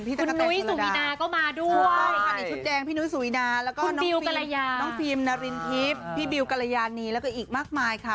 คันนี่ชุดแดงพี่นุ้ยสุรินาแล้วก็น้องฟิล์มนารินทิพย์พี่บิวกรยานีแล้วก็อีกมากมายค่ะ